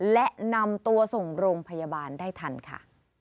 และนำตัวส่งโรงพยาบาลได้ทันค่ะ